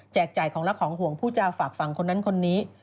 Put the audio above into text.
จ่ายของรักของห่วงผู้จาฝากฝั่งคนนั้นคนนี้